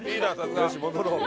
よし戻ろう。